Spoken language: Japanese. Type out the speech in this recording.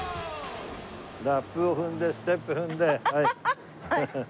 ラップを踏んでステップ踏んではい。